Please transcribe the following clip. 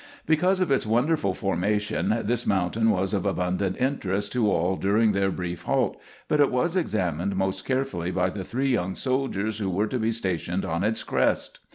Because of its wonderful formation this mountain was of abundant interest to all during their brief halt, but it was examined most carefully by the three young soldiers who were to be stationed on its crest.